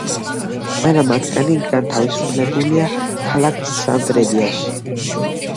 ყველა მათგანი განთავსებულია ქალაქ სამტრედიაში.